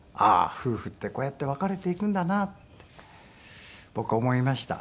夫婦ってこうやって別れていくんだなって僕は思いました。